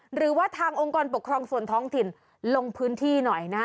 หรือว่าทางองค์กรปกครองส่วนท้องถิ่นลงพื้นที่หน่อยนะฮะ